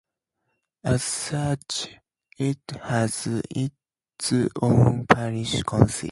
As such, it has its own parish council.